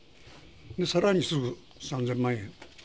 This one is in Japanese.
さらにすぐ３０００万円。